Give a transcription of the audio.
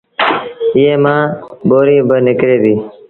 ايئي مآݩ ٻُوريٚ با نڪري ديٚ۔